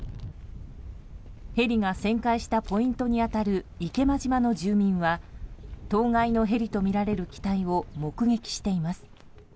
ヘリが旋回したポイントに当たる池間島の住民は当該のヘリとみられる機体を目撃しています。